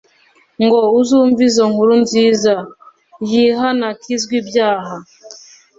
ngo uzumve izo nkuru nziza, yihan’ akizw’ ibyaha